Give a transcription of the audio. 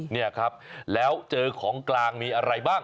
นี่ครับแล้วเจอของกลางมีอะไรบ้าง